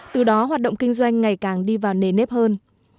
từ đó hoạt động kinh doanh ngày càng đi vào nề nếp hơn